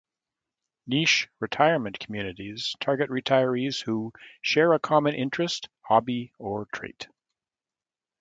Niche retirement communities target retirees who "share a common interest, hobby or trait".